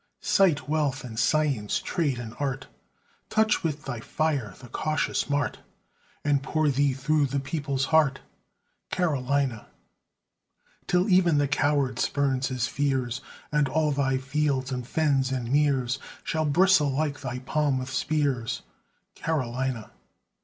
Cite wealth and science, trade and art, Touch with thy fire the cautious mart, And pour thee through the people's heart, Carolina! Till even the coward spurns his fears, And all thy fields, and fens, and meres Shall bristle like thy palm with spears, Carolina!